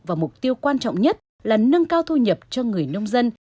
và mục tiêu quan trọng nhất là nâng cao thu nhập cho người nông dân